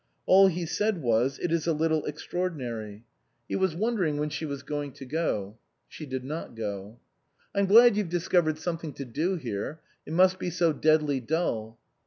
All he said was, "It is a little extraordinary," He was 45 THE COSMOPOLITAN wondering when she was going to go. She did not go. " I'm glad you've discovered something to do here. It must be so deadly dull."